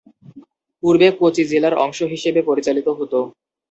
পূর্বে কচি জেলার অংশ হিসেবে পরিচালিত হত।